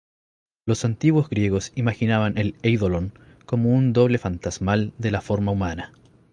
Los antiguos griegos imaginaban el "eidolon" como un doble fantasmal de la forma humana.